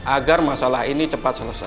agar masalah ini cepat selesai